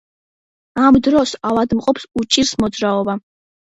ამ დროს ავადმყოფს უჭირს მოძრაობა.